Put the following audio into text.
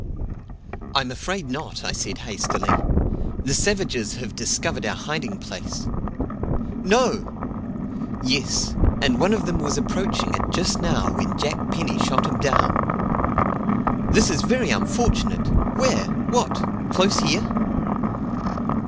"I'm afraid not," I said hastily. "The savages have discovered our hiding place." "No!" "Yes; and one of them was approaching it just now when Jack Penny shot him down." "This is very unfortunate! Where? What! close here?"